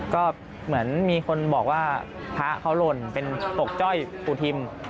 ก็เหมือนมีคนบอกว่าพระเขาหล่นเป็นปกจ้อยปู่ทิม